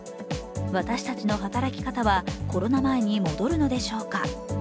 私たちの働き方はコロナ前に戻るのでしょうか。